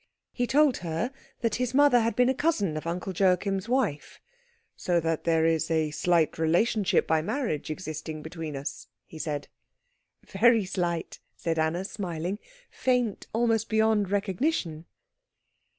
He told her that his mother had been a cousin of Uncle Joachim's wife. "So that there is a slight relationship by marriage existing between us," he said. "Very slight," said Anna, smiling, "faint almost beyond recognition."